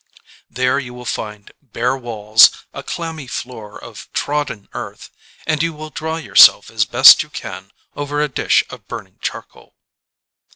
There you will find bare walls, a clammy floor of trodden earth, and you will dry yourself as best you can over a dish of burning charcoal.